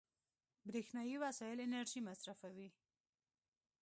برېښنایي وسایل انرژي مصرفوي.